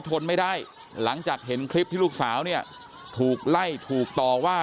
ทนไม่ได้หลังจากเห็นคลิปที่ลูกสาวเนี่ยถูกไล่ถูกต่อว่า